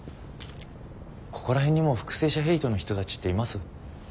ここら辺にも復生者ヘイトの人たちっています？